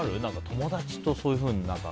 友達とそういうふうに。